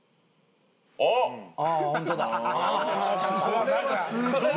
これはすごい。